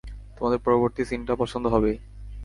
তোমাদের পরবর্তী সিনটা পছন্দ হবেই।